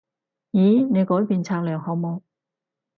咦？你改變策略好冇？